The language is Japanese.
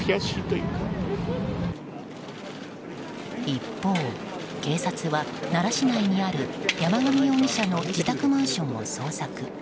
一方、警察は奈良市内にある山上容疑者の自宅マンションを捜索。